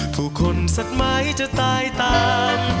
ผู้คนสักมาให้จะตายตาม